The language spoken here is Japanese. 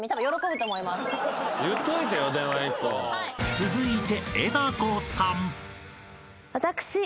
［続いて］